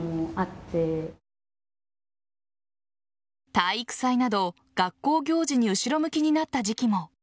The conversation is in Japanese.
体育祭など、学校行事に後ろ向きになった時期も。